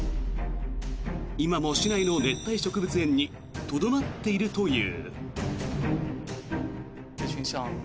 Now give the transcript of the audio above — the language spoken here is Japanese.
今も市内の熱帯植物園にとどまっているという。